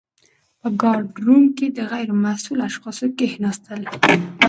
په ګارډ روم کي د غیر مسؤلو اشخاصو کښيناستل .